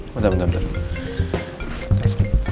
bentar bentar bentar